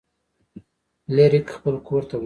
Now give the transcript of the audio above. فلیریک خپل کور ته لاړ.